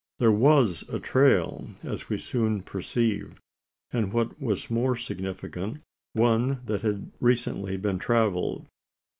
There was a trail, as we soon perceived; and, what was more significant, one that had recently been travelled!